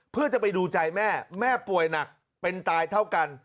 เพื่อจะไปดูใจแม่แม่ป่วยหนักเป็นตายเท่ากัน